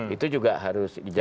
itu juga harus dijaga